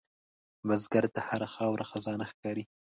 بزګر ته هره خاوره خزانه ښکاري